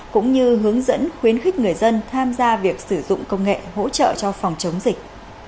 cũng như hướng dẫn khuyến khích người dân tham gia việc sử dụng công nghệ hỗ trợ cho phòng chống dịch